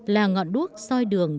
là ngọn đuốc soi đường